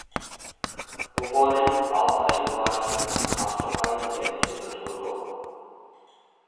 بۇ پولك ئالتاي ۋىلايىتىنىڭ سارتوقاي دېگەن يېرىدە تۇرىدۇ.